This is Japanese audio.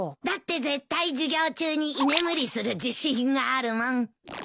だって絶対授業中に居眠りする自信があるもん。